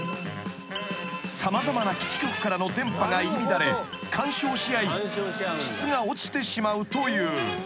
［様々な基地局からの電波が入り乱れ干渉し合い質が落ちてしまうという］